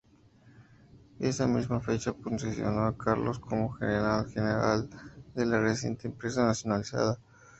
Esa misma fecha posesionó a Claros como gerente general de la reciente empresa nacionalizada.